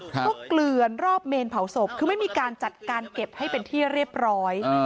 ก็เกลือนรอบเมนเผาศพคือไม่มีการจัดการเก็บให้เป็นที่เรียบร้อย